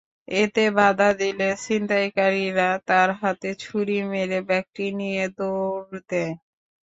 এতে বাধা দিলে ছিনতাইকারীরা তাঁর হাতে ছুরি মেরে ব্যাগটি নিয়ে দৌড় দেয়।